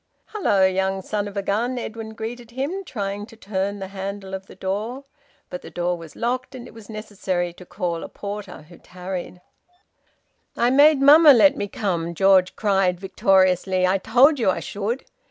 "Hello, young son of a gun!" Edwin greeted him, trying to turn the handle of the door. But the door was locked, and it was necessary to call a porter, who tarried. "I made mamma let me come!" George cried victoriously. "I told you I should!"